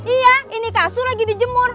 iya ini kasur lagi dijemur